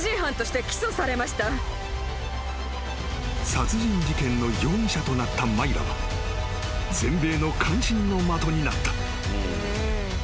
［殺人事件の容疑者となったマイラは全米の関心の的になった］